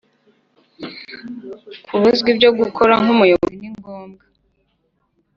Kubazwa ibyo ukora nk umuyobozi ni ngombwa